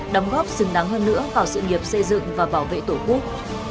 đóng góp xứng đáng hơn nữa vào sự nghiệp xây dựng và bảo vệ tổ quốc